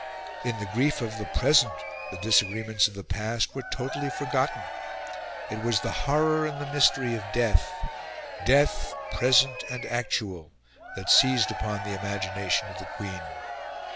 In the grief of the present the disagreements of the past were totally forgotten. It was the horror and the mystery of Death Death, present and actual that seized upon the imagination of the Queen.